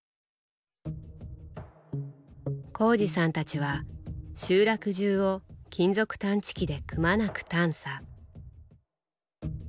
幸治さんたちは集落中を金属探知機でくまなく探査。